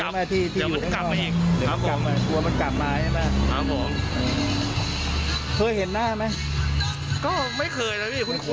อ๋อเดี๋ยวมันมามาอีก